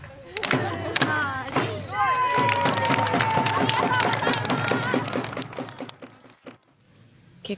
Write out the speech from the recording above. ありがとうございます！